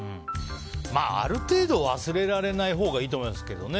ある程度、忘れられないほうがいいと思いますけどね。